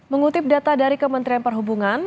mengutip data dari kementerian perhubungan